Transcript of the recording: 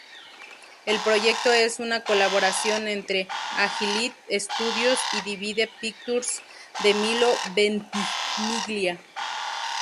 El proyecto es una colaboración entre Agility Studios y Divide Pictures de Milo Ventimiglia.